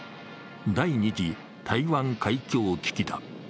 第二次台湾海峡危機だ。